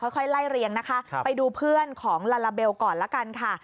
ค่อยไล่เรียงนะคะไปดูเพื่อนของลาลาเบลก่อนละกันค่ะ